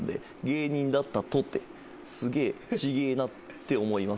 芸人だったとてすげえ違えなって思います。